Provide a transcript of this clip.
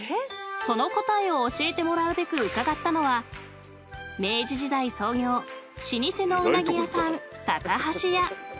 ［その答えを教えてもらうべく伺ったのは明治時代創業老舗のうなぎ屋さん］